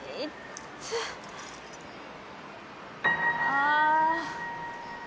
ああ。